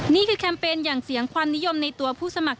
แคมเปญอย่างเสียงความนิยมในตัวผู้สมัคร